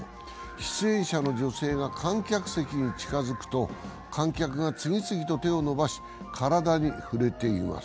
出演者の女性が観客席に近づくと観客が次々と手を伸ばし体に触れています。